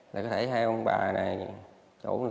là có thể hai ông bà này